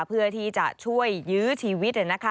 เพื่อที่จะช่วยยื้อชีวิต